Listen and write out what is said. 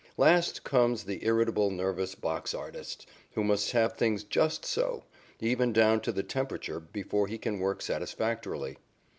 Last comes the irritable, nervous box artist who must have things just so, even down to the temperature, before he can work satisfactorily.